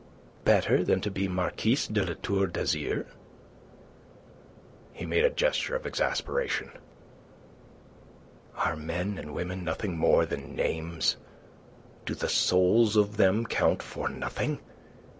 "Better than to be Marquise de La Tour d'Azyr?" He made a gesture of exasperation. "Are men and women nothing more than names? Do the souls of them count for nothing?